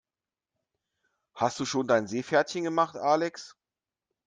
Hast du schon dein Seepferdchen gemacht, Alex?